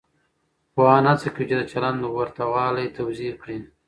پوهان هڅه کوي چې د چلند ورته والی توضیح کړي.